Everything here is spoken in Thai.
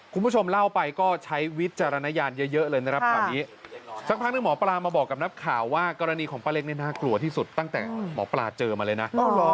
คุณผู้ชมเล่าไปก็ใช้วิจารณญาณเยอะเลยนะครับข่าวนี้สักพักหนึ่งหมอปลามาบอกกับนักข่าวว่ากรณีของป้าเล็กนี่น่ากลัวที่สุดตั้งแต่หมอปลาเจอมาเลยนะ